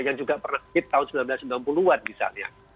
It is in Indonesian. yang juga pernah skip tahun seribu sembilan ratus sembilan puluh an misalnya